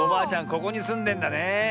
ここにすんでんだねえ。